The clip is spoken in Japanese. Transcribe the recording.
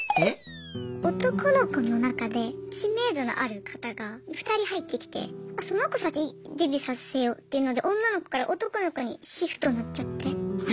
男の子の中で知名度のある方が２人入ってきてその子先にデビューさせようっていうので女の子から男の子にシフトになっちゃって。